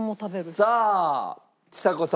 さあちさ子さん